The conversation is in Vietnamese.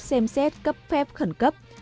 xem xét cấp phép khẩn cấp